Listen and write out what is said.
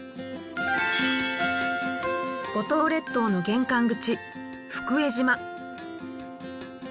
五島列島の玄関口福江島。